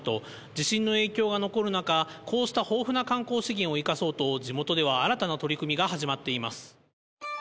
地震の影響が残る中、こうした豊富な観光資源を生かそうと、地元では新たな取り組みが始まっています。